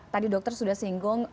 tadi dokter sudah singgung